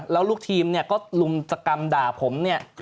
แล้วลูกชีมก็ลุมสกรรมด่าผม